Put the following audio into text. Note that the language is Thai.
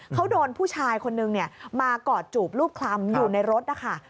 เขาโดนผู้ชายคนนึงมากอดจูบรูปคลำอยู่ในรถนะคะ